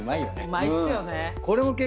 うまいっすよね。